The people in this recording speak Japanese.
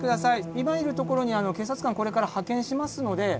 今いる所に警察官これから派遣しますので。